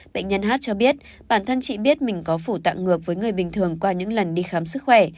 bệnh nhân hát cho biết bản thân chị biết mình có phủ tạng ngược với người bình thường qua những lần đi khám sức khỏe